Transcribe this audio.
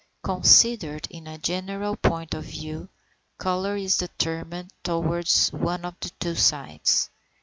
Considered in a general point of view, colour is determined towards one of two sides.